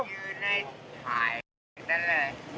อยู่ในพายนั่นเลย